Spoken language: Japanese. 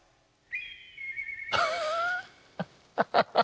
ハッハハハ。